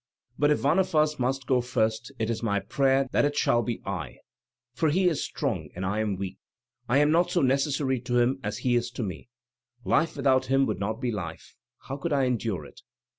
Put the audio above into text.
"But if one of us must go first, it is my prayer that it shall be I; for he is strong and I am weak, I am not so necessary to him as he is to me — life without him would not be life; how could I endure it?